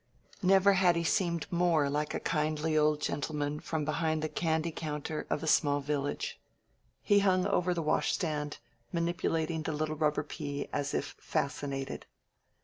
Never had he seemed more like a kindly old gentleman from behind the candy counter of a small village. He hung over the washstand, manipulating the little rubber pea as if fascinated.